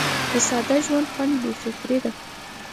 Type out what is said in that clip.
د ساده ژوند خوند بې فکري ده.